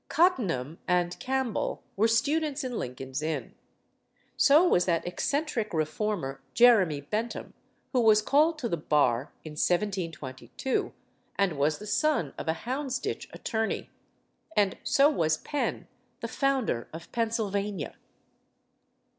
Cottenham and Campbell were students in Lincoln's Inn; so was that eccentric reformer Jeremy Bentham, who was called to the bar in 1722, and was the son of a Houndsditch attorney; and so was Penn, the founder of Pennsylvania.